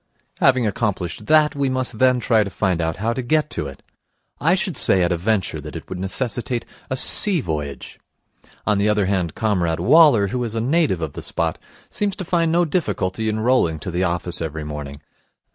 Having accomplished that, we must then try to find out how to get to it. I should say at a venture that it would necessitate a sea voyage. On the other hand, Comrade Waller, who is a native of the spot, seems to find no difficulty in rolling to the office every morning.